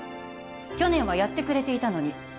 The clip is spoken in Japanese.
「去年はやってくれていたのに」